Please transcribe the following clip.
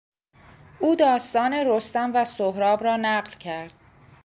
او داستان رستم و سهراب را نقل کرد.